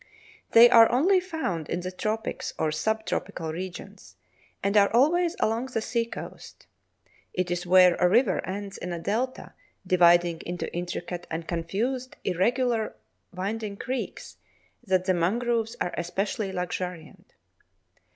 They are only found in the tropics or sub tropical regions, and are always along the sea coast. It is where a river ends in a delta, dividing into intricate and confused irregularly winding creeks, that the mangroves are especially luxuriant.